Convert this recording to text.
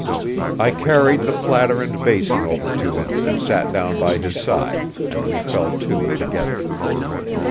I carried the platter and basin over to him, and sat down by his side, and we fell to together.